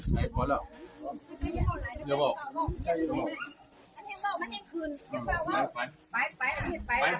ไปพวกนายอย่าขอก็หนี